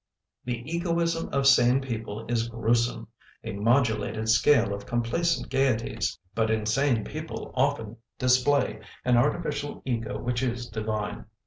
" The egoism of sane people is gruesome — a modulated scale of complacent gaieties — but insane people often display an artificial ego which is divine.